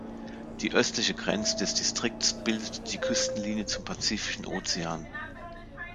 Die östliche Grenze des Distrikts bildet die Küstenlinie zum Pazifischen Ozean.